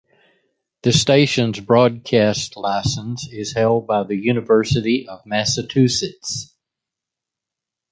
The station's broadcast license is held by the University of Massachusetts.